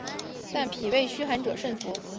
但脾胃虚寒者慎服。